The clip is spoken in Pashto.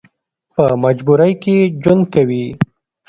په مجبورۍ کې ژوند کوي.